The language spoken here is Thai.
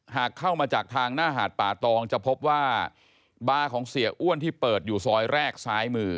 หากเข้ามาจากทางหน้าหาดป่าตองจะพบว่าบาร์ของเสียอ้วนที่เปิดอยู่ซอยแรกซ้ายมือ